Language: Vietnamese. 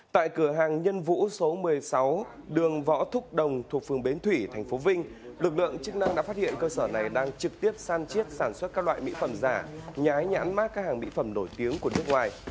tại cửa hàng nhân vũ số một mươi sáu đường võ thúc đồng thuộc phường bến thủy tp vinh lực lượng chức năng đã phát hiện cơ sở này đang trực tiếp san chiết sản xuất các loại mỹ phẩm giả nhái nhãn mát các hàng mỹ phẩm nổi tiếng của nước ngoài